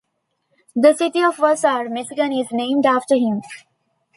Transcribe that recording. The city of Vassar, Michigan is named after him.